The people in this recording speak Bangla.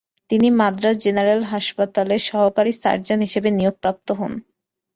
তিনি মাদ্রাজ জেনারেল হাসপাতালে সহকারী সার্জন হিসেবে নিয়োগপ্রাপ্ত হন।